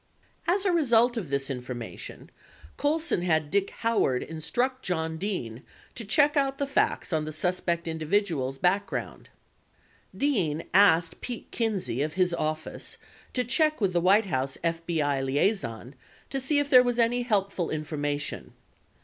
25 As a result of this information, Colson had Dick Howard instruct John Dean to check out the facts on the suspect individual's back ground. Dean asked Pete Kinsey of his office to check with the White House FBI liaison to see if there was any helpful information.